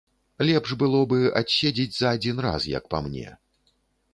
Лепш было бы адседзець за адзін раз, як па мне.